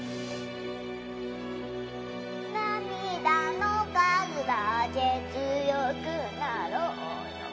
「涙の数だけ強くなろうよ」